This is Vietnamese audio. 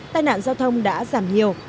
tài nạn giao thông đã giảm nhiều